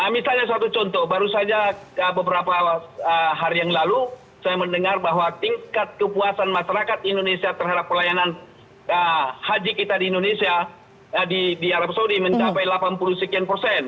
misalnya satu contoh baru saja beberapa hari yang lalu saya mendengar bahwa tingkat kepuasan masyarakat indonesia terhadap pelayanan haji kita di indonesia di arab saudi mencapai delapan puluh sekian persen